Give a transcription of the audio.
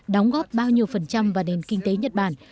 đóng góp bao nhiêu phần trăm vào nền kinh tế nhật bản